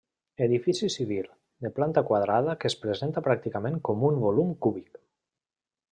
Edifici civil, de planta quadrada que es presenta pràcticament com un volum cúbic.